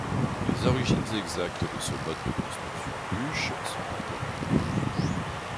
Les origines exactes de ce mode de construction bûches sont inconnues.